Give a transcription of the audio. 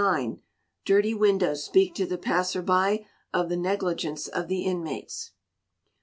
ix. Dirty windows speak to the passer by of the negligence of the inmates.